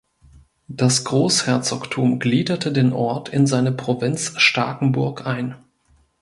Das Großherzogtum gliederte den Ort in seine Provinz Starkenburg ein.